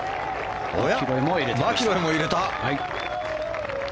おや、マキロイも入れた。